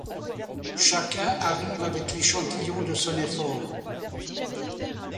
Chacun arrive avec l'échantillon de son effort.